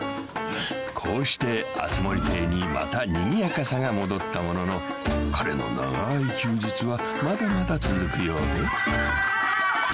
［こうして熱護邸にまたにぎやかさが戻ったものの彼の長い休日はまだまだ続くようで］